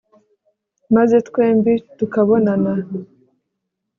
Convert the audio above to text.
maze twembi tukabonana